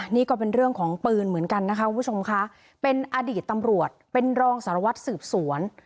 นี่ก็เป็นเรื่องของปืนเหมือนกันนะคะคุณผู้ชมค่ะเป็นอดีตตำรวจเป็นรองสารวัตรสืบสวน